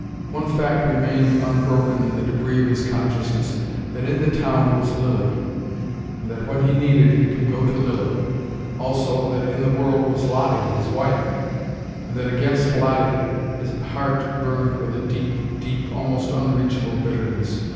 One fact remained unbroken in the debris of his consciousness: that in the town was Lilly: and that when he needed, he could go to Lilly: also, that in the world was Lottie, his wife: and that against Lottie, his heart burned with a deep, deep, almost unreachable bitterness.